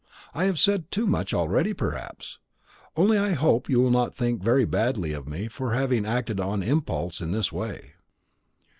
I have said too much already, perhaps; only I hope you will not think very badly of me for having acted on impulse in this way."